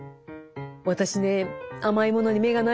私ね甘いものに目がないんです。